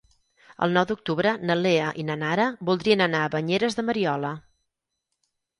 El nou d'octubre na Lea i na Nara voldrien anar a Banyeres de Mariola.